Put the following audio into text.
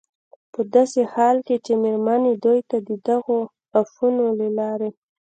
په داسې حال کې چې مېرمنې دوی ته د دغو اپونو له لارې